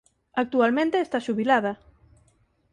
Actualmente está xubilada.